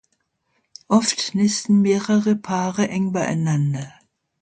Oft nisten mehrere Paare eng beieinander.